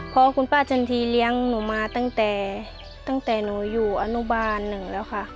เพราะคุณป้าจันทีเลี้ยงหนูมาตั้งแต่ตั้งแต่หนูอยู่อนุบาลหนึ่งแล้วค่ะ